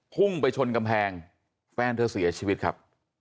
พุ่งไปชนกำแพงแฟนเธอเสียชีวิตครับ